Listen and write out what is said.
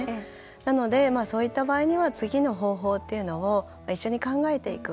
なので、そういった場合には次の方法っていうのを一緒に考えていく。